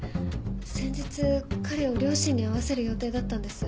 先日彼を両親に会わせる予定だったんです。